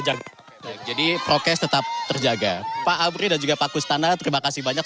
erto jadi prokes tetap terjaga pak dry dan juga pakustana terima kasih banyak